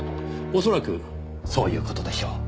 おそらくそういう事でしょう。